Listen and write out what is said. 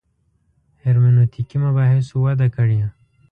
هرمنوتیکي مباحثو وده کړې.